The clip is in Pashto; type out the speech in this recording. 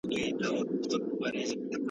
د نانوایۍ ډوډۍ ډېره توده او خوندوره وه.